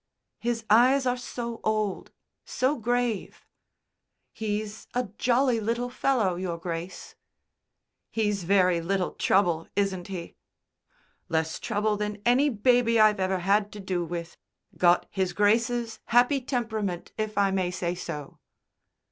"His eyes are so old, so grave." "He's a jolly little fellow, Your Grace." "He's very little trouble, isn't he?" "Less trouble than any baby I've ever had to do with. Got His Grace's happy temperament, if I may say so."